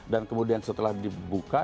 dan kemudian setelah dibuka